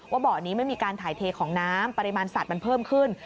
เบาะนี้ไม่มีการถ่ายเทของน้ำปริมาณสัตว์มันเพิ่มขึ้น